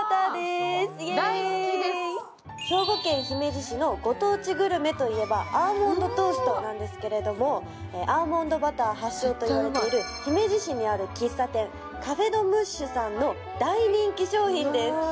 兵庫県姫路市のご当地グルメといえばアーモンドトーストなんですけれども、アーモンドバター発祥といわれている姫路市にある喫茶店カフェ・ド・ムッシュさんの大人気商品です。